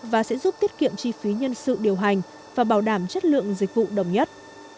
và sẽ giúp tiết kiệm chi phí nhân sự điều hành và bảo đảm chất lượng dịch vụ đồng nhất